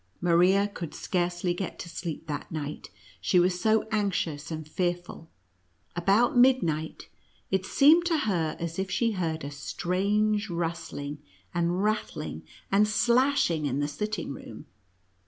Maria could scarcely get to sleep that night, she was so anxious and fearful. About midnight, it seemed to her as if she heard a strange rustling, and rattling, and slashing, in the sitting room.